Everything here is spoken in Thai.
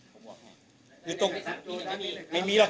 สวัสดีครับ